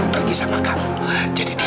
ibu cium tangan aku